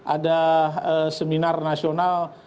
ada seminar nasional